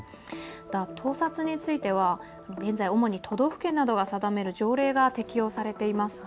また盗撮については主に都道府県などが現在、定める条例が適用されています。